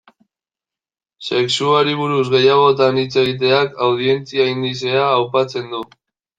Sexuari buruz gehiagotan hitz egiteak, audientzia indizea aupatzen du.